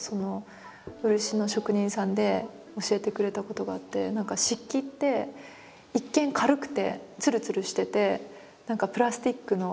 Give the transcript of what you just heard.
漆の職人さんで教えてくれたことがあって何か漆器って一見軽くてつるつるしてて何かプラスチックの。